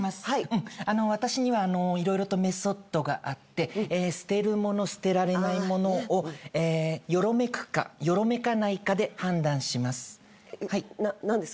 あの私には色々とメソッドがあって捨てる物捨てられない物をよろめくかよろめかないかで判断します。